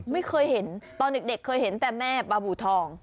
ไม่เคยเห็นตอนเด็กเคยเห็นแต่แม่บาบูทอง